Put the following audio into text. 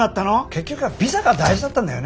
結局はビザが大事だったんだよね？